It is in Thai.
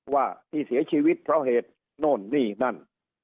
ว่าที่เสียชีวิตเพราะเหตุโน่นนี่นั่น